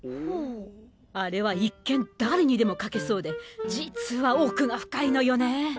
あれは一見誰にでも書けそうで実は奥が深いのよねぇ。